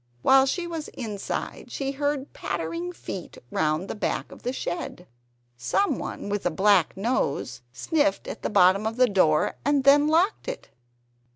While she was inside she heard pattering feet round the back of the shed. Someone with a black nose sniffed at the bottom of the door, and them locked it.